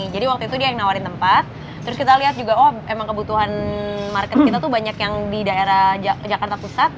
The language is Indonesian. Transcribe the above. jadi waktu itu dia yang nawarin tempat terus kita lihat juga oh emang kebutuhan market kita tuh banyak yang di daerah jakarta pusat